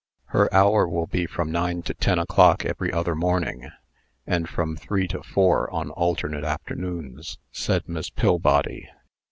"Her hour will be from nine to ten o'clock every other morning, and from three to four on alternate afternoons," said Miss Pillbody.